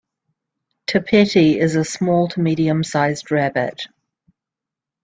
Tapeti is a small- to medium-sized rabbit.